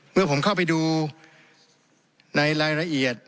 เมื่อผมเข้าไปดูในรายละเอียด